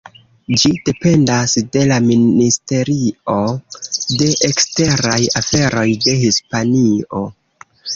Ĝi dependas de la Ministerio de Eksteraj Aferoj de Hispanio.